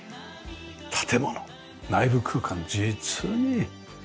建物。内部空間実に。